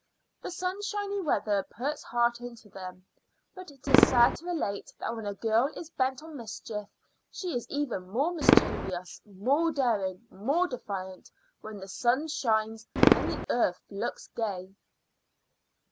The sunshiny weather puts heart into them. But it is sad to relate that when a girl is bent on mischief she is even more mischievous, more daring, more defiant when the sun shines and the earth looks gay.